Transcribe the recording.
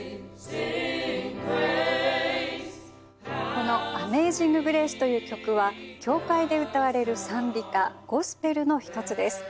この「アメージング・グレース」という曲は教会で歌われる賛美歌ゴスペルの一つです。